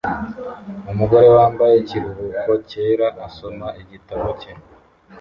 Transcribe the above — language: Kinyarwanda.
Umugore wambaye ikiruhuko cyera asoma igitabo cye